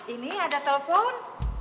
ini ada telfon